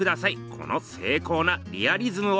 この精巧なリアリズムを！